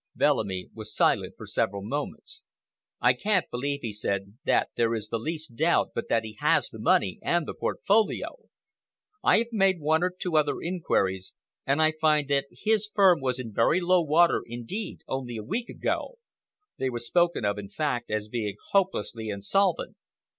Bellamy was silent for several moments. "I can't believe," he said, "that there is the least doubt but that he has the money and the portfolio. I have made one or two other inquiries, and I find that his firm was in very low water indeed only a week ago. They were spoken of, in fact, as being hopelessly insolvent.